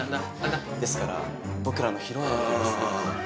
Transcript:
ですから僕らの披露宴でですね。